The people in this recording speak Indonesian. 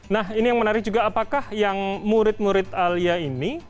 nah ini yang menarik juga apakah yang murid murid alia ini